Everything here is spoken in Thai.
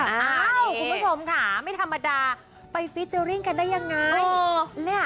คุณผู้ชมค่ะไม่ธรรมดาไปฟิเจอร์ริ่งกันได้ยังไง